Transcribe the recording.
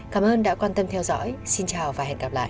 cảm ơn đã quan tâm theo dõi xin chào và hẹn gặp lại